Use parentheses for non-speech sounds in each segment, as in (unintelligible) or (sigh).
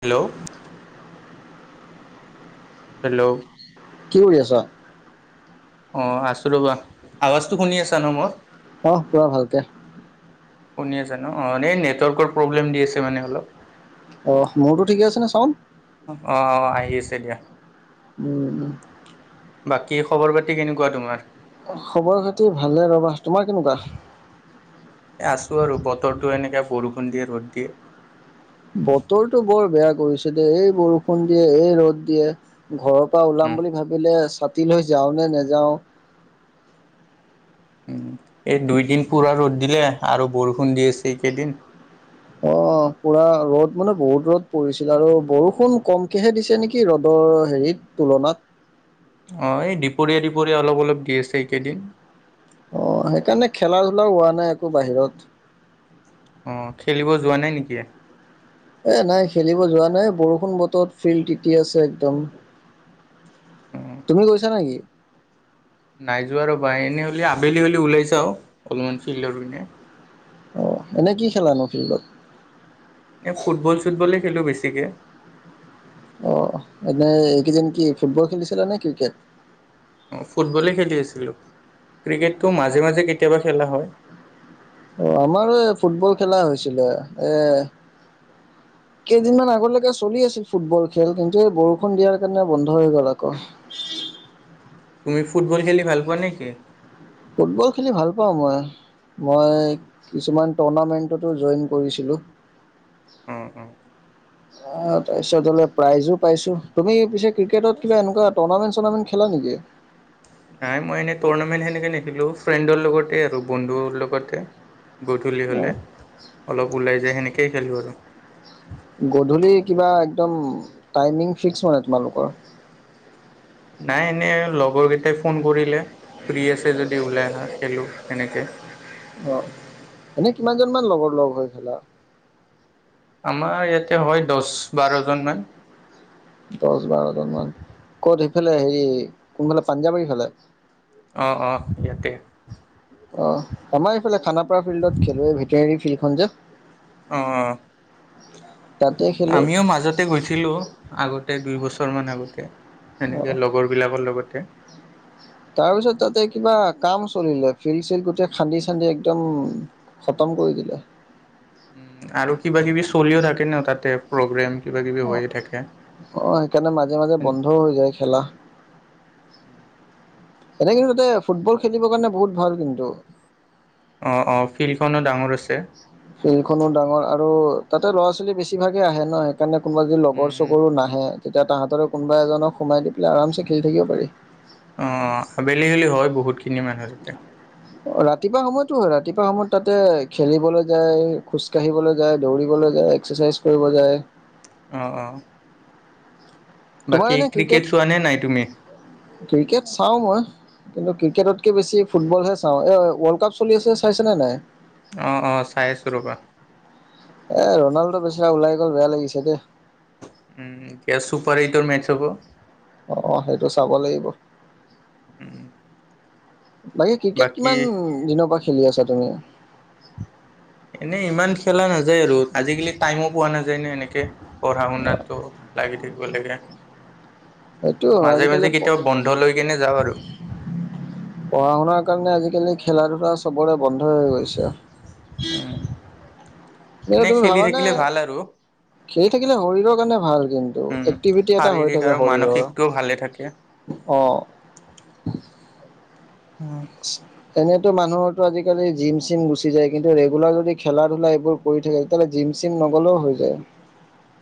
Hello. Hello. কি কৰি আছা? অ', আছোঁ ৰ'বা আৱাজটো শুনি আছা ন' মোৰ? অ', পুৰা ভালকে। শুনি আছা ন'? এ নেটৱৰ্কৰ প্ৰব্লেম দি আছে মানে অলপ। অ', মোৰতো ঠিকে আছে নে ছাউণ্ড? অ', অ', আহি আছে দিয়া। উম, উম। বাকী খবৰ পাতি কেনেকুৱা তোমাৰ? খবৰ খাতি ভালে ৰ'বা, তোমাৰ কেনেকুৱা? এই আছোঁ আৰু বতৰটো এনেকে বৰষুণ দিয়ে ৰ'দ দিয়ে। বতৰটো বৰ বেয়া কৰিছে দে এই বৰষুণ দিয়ে এই ৰ'দ দিয়ে। ঘৰৰ পৰা ওলাম উম বুলি ভাবিলে ছাতি লৈ যাওঁ নে নেযাওঁ? উম এই দুইদিন পুৰা ৰ'দ দিলে আৰু বৰষুণ দি আছে এই কেইদিন। অ', পূৰা ৰ'দ মানে বহুত ৰ'দ পৰিছিল আৰু বৰষুণ কমকেহে দিছে নেকি ৰ'দৰ হেৰিত? তুলনাত। অ', এই দিপৰীয়া দিপৰীয়া অলপ অলপ দি আছে এইকেইদিন। অ', সেইকাৰণে খেলা ধূলাও হোৱা নাই আকৌ বাহিৰত। অ', খেলিব যোৱা নাই নেকি? এ নাই খেলিব যোৱা নাই বৰষুণ বতৰত ফিল্ড টিতি আছে একদম। তুমি গৈছা নেকি? নাই যোৱা ৰ'বা এনেই হ'লে আবেলি হ'লে ওলাই জাও অলপমান ফিল্ডৰ পিনে। অ', এনে কি খেলানো ফিল্ডত? এ ফুটবল চুটবলেই খেলোঁ বেছিকে। অ', এনে এইকেইদিন ফুটবল খেলিছিলা নে ক্ৰিকেট? অ', ফুটবলেই খেলি আছিলোঁ ক্ৰিকেটটো মাজে মাজে কেতিয়াবা খেলা হয়। অ', আমাৰো এই ফুটবল খেলা হৈছিলে এ কেইদিনমান আগতলৈকে চলি আছিল ফুটবল খেল কিন্তু এই বৰষুণ দিয়াৰ কাৰণে বন্ধ হৈ গ'ল আকৌ। তুমি ফুটবল খেলি ভাল পোৱা নেকি? ফুটবল খেলি ভাল পাওঁ মই। মই কিছুমান টুৰ্ণামেণ্টতো জইন কৰিছিলোঁ। তে। অ তাৰিত হলে প্ৰাইজো পাইছো তুমি পিছে ক্ৰিকেটত খা একুৱা টুৰ্ণামেণ্ট চৰ্ণামেণ্ট খেলা নেকি? নাই মই এনেই টুৰ্ণামেণ্ট সেনেকে নেখিলো ফ্ৰেণ্ডৰ লগতে আৰু বন্ধুৰ লগতে। গধূলি অ হ'লে অলপ ওলাই যায় সেনেকেই খেলোঁ আৰু। গধূলি কিবা একদম টাইমিং ফিক্স মানে তোমালোকৰ? নাই এনেই লগৰ কেইটাই ফোন কৰিলে। ফ্ৰী আছে যদি ওলাই আহা খেলোঁ, সেনেকৈ। অ এনেই কিমানজন মান লগৰ লগ হৈ খেলা? আমাৰ ইয়াতে হয় দহ বাৰজনমানান। দহ বাৰজন মান ক'ত? সেইফালে হেৰি কোনফালে পাঞ্জাৱৰীফালে। অঁ অঁ ইয়াতে। অ আমাৰ এইফালে খানাপাৰা ফিল্ডত খেলে ভেটেনেৰী ফিল্ডখন যে। অ তাতে খেলো আমিও মাজত আগতে গৈছিলো আগতে দুই বছৰ মান আগতে অ সনেকে লগৰ বিলাকৰ লগতে। তাৰপিছত তাতে কিবা কাম চলিলে ফিল্ড চিল্ গোটেই খান্দি চান্দি একদম খতম কৰি দিলে। উম আৰু কিবা কিবি চলিও থাকে ন তাতে প্ৰগ্ৰেম। কিবা কিবি অ হৈয়ে থাকে। আহ সেইকাৰণে মাজে মাজে বন্ধও হৈ যায় খেলা। এনে কিন্তু তাতে ফুটবল খেলিবৰ কাৰণে বহুত ভাল কিন্তু। অ অ ফিল্ডখনো ডাঙৰ আছে। ফিল্ডখনো ডাঙৰ আৰু তাতে ল'ৰা ছোৱালী বেছিভাগে আহে ন। সেইকাৰণে কোনোবা যদি লগৰ উম, চগৰুো নাহে তেতিয়া তাহাঁতৰ কোনোবা এজনক সোমাই দি পেলাই আমে খি থাকিব পাৰি। অ আবেলি হেলি হয় বহুতখিনি মানুহ তিতা। অ ৰাতিপুৱা সময়তো হয় ৰাতিপুৱা সময়ত তাতে খেলিবলৈ যায় খোজ কাঢ়িবলৈ যায় দৌৰিবলৈ যায় এক্সাৰচাইজ কৰিব যায়। অঁ অঁ। তোমাৰ বাকী এনে ক্ৰিকেট চোৱা নে নাই তুমি? ক্ৰিকেট চাও মই। কিন্তু ক্ৰিকেটতকৈ বেছি ফুটবলহে চাওঁ এই ৱৰ্ল্ড কাপ চলি আছে চাইছেনে নাই? অঁ অঁ চাই আছোঁ ৰ'বা। এ ৰনাল্ডো পেচৰা ওলাই গ'ল বেয়া লাগিছে দেই। উম এ সুপাৰ এইটৰ মেচ হব। অ অ সেইটো চাব লাগিব। উম, বাকী ক্ৰিকেট কিমান দিনৰ পৰা খেলি আছা তুমি? এনে ইমান খেলা নাযায় আৰু আজিকালি টাইমো পোৱা নাযায় ন এনেকে। পঢ়া শুনাতটো লাগি থাকিব লাগে। সেইটো হয়, মাজে আজিকালি মাজে কেতিয়াবা বন্ধ লৈ কেনে যাওঁ আৰু। পঢ়া শুনাৰ কাৰণে আজিকালি খেলা ধূলা চবৰে বন্ধই হৈ গৈছে। উম, এয়া এনে তুমি খেলি ভাবানে? থাকিলে ভাল আৰু। খেল থাকিলে শৰীৰৰ কাৰণে ভাল কিন্তু উম, এক্টিভিটি এটা হৈ শাৰীৰিক আৰু থাকে শৰীৰৰ। মানসিকটোও ভালে থাকে। অঁ। (unintelligible) এনেতো মানুহৰটো আজিকালি জিম চিম গুচি যায় কিন্তু ৰেগুলাৰ যদি খেলা ধূলা এইবোৰ কৰি থাকে তেতিাহ'লে জিম চিম নগ'লেও হৈ যায়।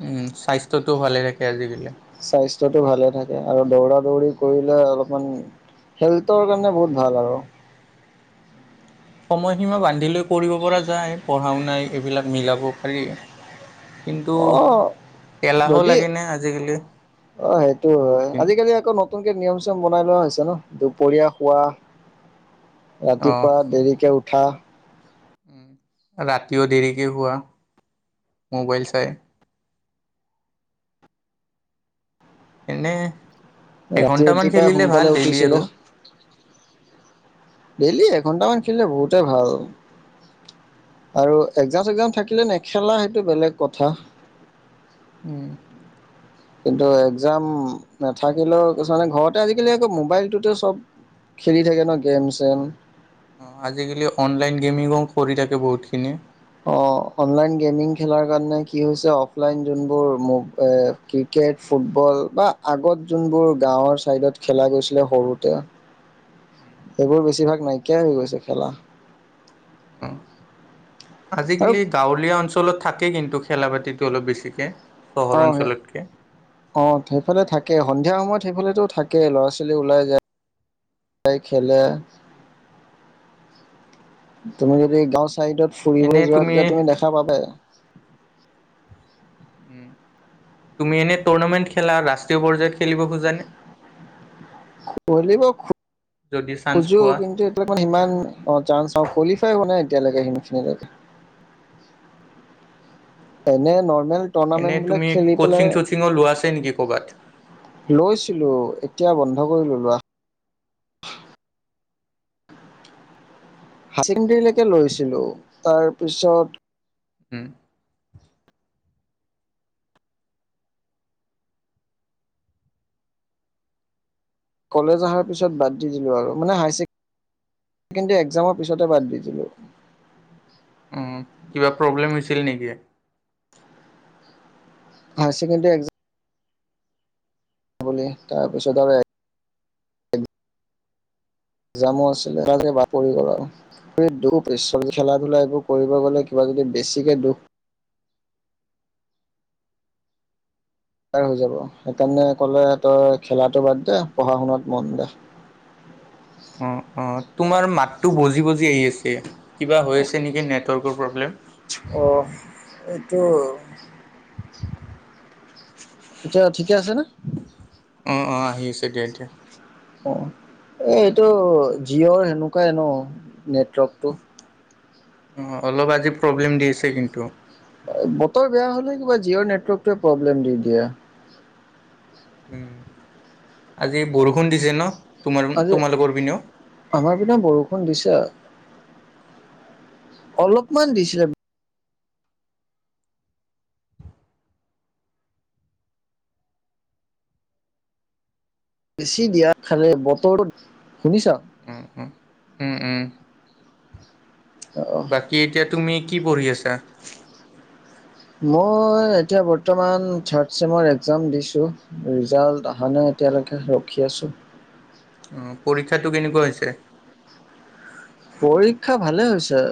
উম স্বাস্থ্যটোও ভালে থাকে আজিকালি। স্বাস্থ্যটো ভালে থাকে আৰু দৌৰা দৌৰি কৰিলে অলপমান হেল্থৰ কাৰণে বহুত ভাল আৰু। (inaudible) সময়সীমা বান্ধি লৈ কৰিব পৰা যায়, পঢ়া-শুনা এইবিলাক মিলাব পাৰি। কিন্তু অ' এলাহো যদি। লাগেনে আজিকালি অ সেইটো হয় বহুতখিনি আজিকালি আকৌ নত নতুনকে নিয়ম চিয়ম বনাই লোৱা হৈছে ন, দুপৰীয়া শুৱা, অ'। ৰাতিপুৱা দেৰিকে উঠা। ৰাতিও দেৰিকে শুৱা মোবাইল চাই। এনেই ৰাতি এঘণ্টামান ৰাতিপুৱাই খেলিলে ভাল সোনকালে ডেইলি উঠিছিলে আৰু। ডেইলি এঘণ্টামান খেলিলে বহুতে ভাল। আৰু একজাম-চগজাম থাকিলে নেখেলা সেইটো বেলেগ কথা। উম। কিন্তু এক্সাম নাথাকিলেও কিছুমানে ঘৰতে আজিকালি আকৌ মোবাইলটোতে চব খেলি থাকে ন গেম-চেম। অঁ আজিকালি অনলাইন গেমিঙো কৰি থাকে বহুতখিনি। অ অনলাইন গেমিং খেলাৰ কাৰণে কি হৈছে অফলাইন যোনবোৰ ম ক্ৰিকেট, ফুটবল বা আগত যোনবোৰ গাঁৱৰ ছাইডত খেলা গৈছিলে সৰুতে। এইবোৰ বেছিভাগ নাইকিয়াই হৈ গৈছে খেলা। উ আৰু আজিকালি গাঁৱলীয়া অঞ্চলত থাকেই কিন্তু খেলা পাতিটো অলপ বেছিকে চহৰ অ অঞ্চলতকে। অ সেইফালে থাকে সন্ধিয়া সময়ত সেইফালেতো থাকেই ল'ৰা-ছোৱালী ওলাই যায়। খেলে তুমি যদি গাঁও চাইডত ফুৰিবলৈ যোৱা তেতিয়া তুমি দেখা পাবই। উ তুমি এনে টুৰ্ণামেণ্ট খেলা ৰাষ্ট্ৰীয় পৰ্যায়ত খেলিব খোজানে? খলিব যদি চান্স খুজো পোৱা কিন্তু সিমান, অ চান কোৱালিফাই হোৱা নাই এতিয়ালৈকে সিখিনিলৈ এনে নৰ্মেল টুৰ্ণামেন্ট এনেই বিলাক তুমি খেলি পেলাই ক'চিং-চ'চিঙো লোৱা আছে নেকি ক'ৰবাত? লৈছিলোঁ এতিয়া বন্ধ কৰিলো লোৱা। হায় ছেকেণ্ডৰীলৈকে লৈছিলো। তাৰ পিছত উম। কলেজ অহাৰ পিছ বাদ দি দিলো আৰু মানে হাই ছেকেণ্ডাৰী কিন্তু একজামৰ পিছতে বাদ দিছিলো। উম কিবা প্ৰব্লেম হৈছিল নেকি? হায়ছেণ্ড এক বুলি তাৰপিছত আৰু জামো আছিলে (unintelligible) পৰি গ'ল আৰু। কৰি দুখ (unintelligible) খেলা ধূলা এইবোৰ কৰিব গ'লে কিবা যদি বেছিকে দুখ য়াৰ হৈ যাব, সেইকাৰণে ক'লে তই খেলাটো বাদ দে পঢ়া শুনাত মন দে। অ অ তোমাৰ মাতটো বজি বজি আহি আছে, কিবা হৈ আছে নেকি নেটৱৰ্কৰ প্ৰব্লেম। অ এইটো এতিয়া ঠিকে আছেনে? অ অ আহি আছে দিয়া এতিয়া। অ এইটো জিঅ'ৰ এনেকুৱাই ন নেটৱৰ্ক উম অলপ আজি প্ৰব্লেম দি আছে কিন্তু। বতৰ বেয়া হ'লে কিবা জিঅ' নেটৱৰ্কটোৱে প্ৰব্লেম দি দিয়া। উম আজি বৰষুণ দিছে ন, আজি তোমাৰ-তোমালোকৰ পিনেও? আমাৰ পিনে বৰষুণ দিছে। অলপমান দিছিলে বেছি দিয়া খালে বতৰত, শুনিছা? উম, উম। উম, উম। অ। কি এতিয়া তুমি কি পঢ়ি আছা? মই এতিয়া বৰ্তমান থাৰ্ড চেমৰ এক্জাম দিছোঁ। ৰিজাল্ট অহা নাই এতিয়ালৈকে ৰখি আছোঁ। অ', পৰীক্ষাটো কেনেকুৱা হৈছে? পৰীক্ষা ভালে হৈছে।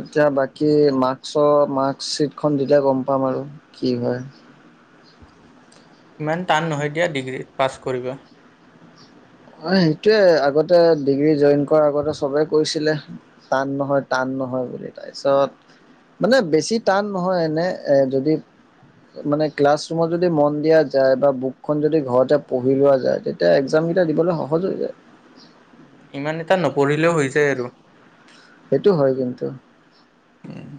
এতিয়া বাকী মাৰ্কছৰ মাৰ্কশ্বিটখন দিলে গম পাম আৰু, কি হয়। ইমান টান নহয় দিয়া ডিগ্ৰী, পাছ কৰিব। হয় সেইটোৱে আগতে ডিগ্ৰী জইন কৰাৰ আগতে চবেই কৈছিলে। টান নহয়, টান নহয় বুলি তাৰপিছত মানে বেছি টান নহয়, এনে যদি মানে ক্লাছ ৰুমত যদি মন দিয়া যায়, বা বুকখন যদি ঘৰতে পঢ়ি লোৱা যায় তেতিয়া এক্জাম তা দিবলৈ সহজ হৈ যায়। ইমান এটা নপঢ়িলেও হৈ যায় আৰু। সেইটো হয় কিন্তু। উম।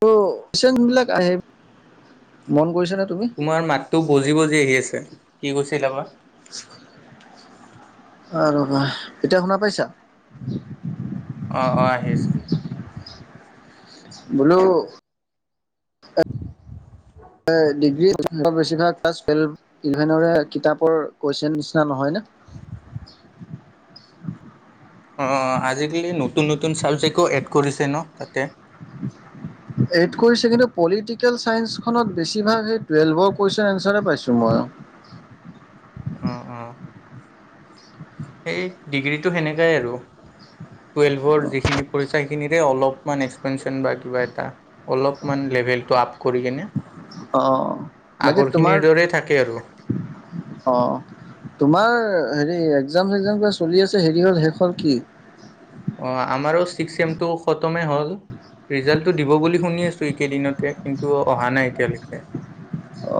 ত চেন বিলাক আহে, মন কৰিছানে তোমাৰ মাতটো বজি-বজি আহি আছে, কি কৈছিলা বা?। আ ৰ'বা, এতিয়া শুনা পাইছা?। অ', অ', আহি আছে। বোলো এ, ডিগ্ৰী (inaudible) বেছিভাগ ক্লাছ ভেলপ্-ইভেনৰে কিতাপৰ কুৱেশচন নিচিনা নহয় ন। অ', আজিকালি নতুন-নতুন চাবজেক্টো এড কৰিছে ন তাতে। (unintelligible) এড কৰিছে কিন্তু পলিটিকেল ছাইন্সখনত বেছিভাগ সেই টুৱেল্ভৰ কুৱেশ্যন এনচাৰে পাইছোঁ মইয়ো। অ', অ। সেই, ডিগ্ৰীটো সেনেকাই আৰু। টুৱেল্ভৰ যিখিনি পঢ়িছা সেইখিনিৰে অলপমান এক্সপেনচন বা কিবা এটা। অলপমান লেভেলটো আপ কৰি কিনে। অ', বাকী তোমাৰ আগৰখিনিৰ দৰে থাকে আৰু। অ। তোমাৰ হেৰি এক্জাম-চেগ্জাম কিবা চলি আছে হেৰি হ'ল শেষ হ'ল কি? অ', আমাৰো ছিক্স চেমটো খতমে হ'ল। ৰিজাল্টটো দিব বুলি শুনি আছোঁ এইকেইদিনতে, কিন্তু অহা নাই এতিয়ালৈকে। অ।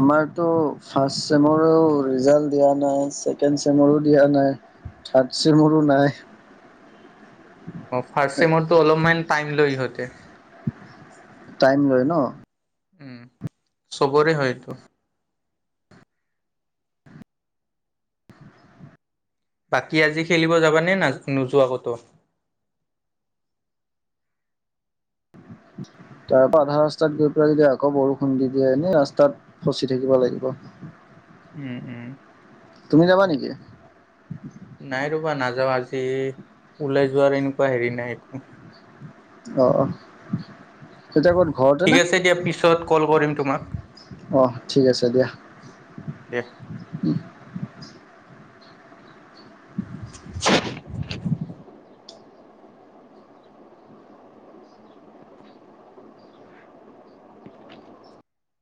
আমাৰতো ফাৰ্ষট চেমৰেও ৰিজাল্ট দিয়া নাই ছেকেণ্ড চেমৰো দিয়া নাই। থাৎ‌ ছেমৰো উম, নাই। অ ফাৰ্ষ চেমতটো অলপমান টাইম লৈ সিহঁতে। টাইম লয় ন? উম চবৰে হয়তো। বাকী আজি খেলিব যাবা নে না নোযোৱা কতো? তাৰ পৰা আধা ৰাস্তাত গৈ পেলাই যদি আকৌ বৰষুণ দি দিয়ে এনেই ৰাস্তাত ফচি থাকিব লাগিব। (unintelligible) উম উম। তুমি যাবা নেকি? নাই ৰ'বা নাযাওঁ আজি ওলাই যোৱাৰ এনে। কুৱা হেৰি নাই একো অ। তেতিয়া ক'ত ঘৰতে ঠিক নে? আছে দিয়া পিছত কল কৰিম তোমাক। অ', ঠিক আছে দিয়া। দে। (unintelligible)